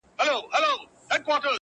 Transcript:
سپین وېښته راته پخوا منزل ښودلی!